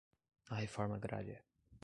a reforma agrária